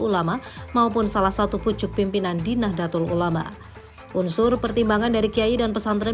ulama maupun salah satu pucuk pimpinan di nahdlatul ulama unsur pertimbangan dari kiai dan pesantren